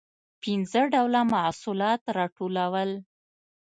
پنځه ډوله محصولات راټولول.